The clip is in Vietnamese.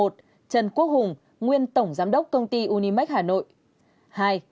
một trần quốc hùng nguyên tổng giám đốc công ty unimec hà nội